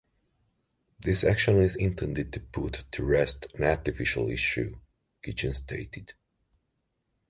"This action is intended to put to rest an artificial issue," Kitchen stated.